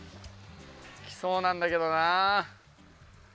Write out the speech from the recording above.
来そうなんだけどな。